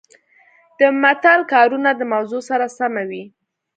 د متل کارونه د موضوع سره سمه وي